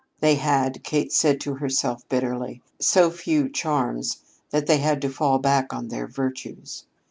They had, Kate said to herself bitterly, so few charms that they had to fall back on their virtues.